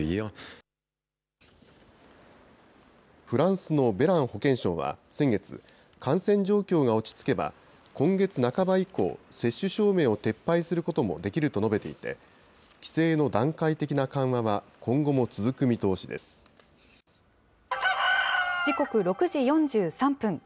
フランスのベラン保健相は先月、感染状況が落ち着けば、今月半ば以降、接種証明を撤廃することもできると述べていて、規制の段階的な緩時刻、６時４３分。